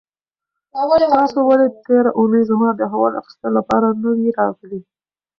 تاسو ولې تېره اونۍ زما د احوال اخیستلو لپاره نه وئ راغلي؟